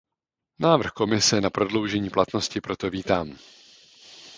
Návrh Komise na prodloužení platnosti proto vítám.